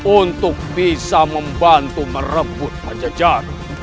untuk bisa membantu merebut majajak